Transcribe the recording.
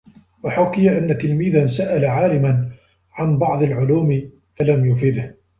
وَحُكِيَ أَنَّ تِلْمِيذًا سَأَلَ عَالِمًا عَنْ بَعْضِ الْعُلُومِ فَلَمْ يُفِدْهُ